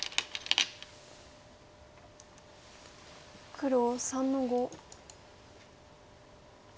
黒３の五。